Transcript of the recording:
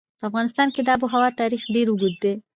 په افغانستان کې د آب وهوا تاریخ ډېر اوږد دی.